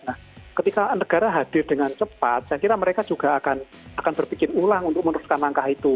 nah ketika negara hadir dengan cepat saya kira mereka juga akan berpikir ulang untuk meneruskan langkah itu